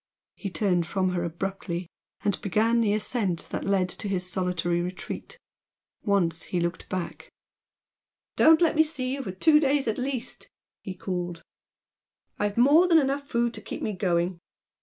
He turned from her abruptly and began the ascent that led to his solitary retreat. Once he looked back "Don't let me see you for two days at least!" he called "I've more than enough food to keep me going."